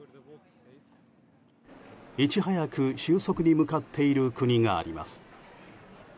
いち早く収束に向かっている国があります。